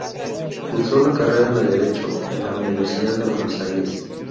Cursó la carrera de Derecho en la Universidad de Buenos Aires.